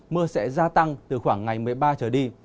mưa sẽ gia tăng từ khoảng ngày một mươi ba trở đi